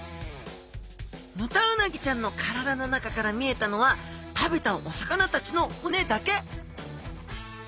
ヌタウナギちゃんの体の中から見えたのは食べたお魚たちの骨だけ！